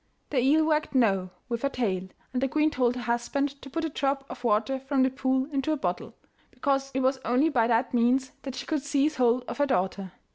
The eel wagged 'No' with her tail, and the queen told her husband to put a drop of water from the pool into a bottle, because it was only by that means that she could seize hold of her daughter.